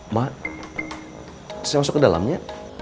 mak saya masuk ke dalamnya